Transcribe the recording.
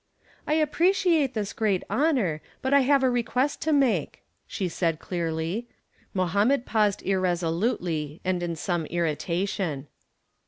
"I appreciate this great honor, but I have a request to make," she said clearly. Mohammed paused irresolutely and in some irritation.